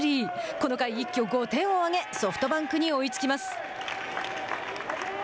この回、一挙５点を挙げソフトバンクに追いつきます。